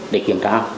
để kiểm tra